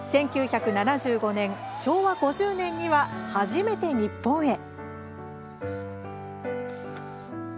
１９７５年、昭和５０年には初めて日本へ。